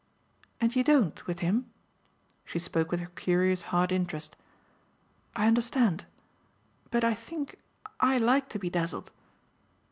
"And you don't with him?" She spoke with her curious hard interest. "I understand. But I think I like to be dazzled."